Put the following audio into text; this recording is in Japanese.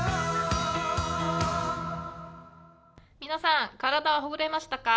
皆さん、体はほぐれましたか？